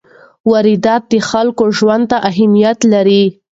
واردات د خلکو ژوند ته اهمیت لري.